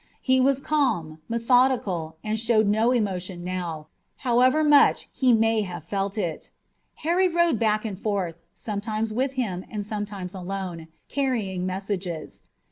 He was calm, methodical, and showed no emotion now, however much he may have felt it. Harry rode back and forth, sometimes with him and sometimes alone, carrying messages.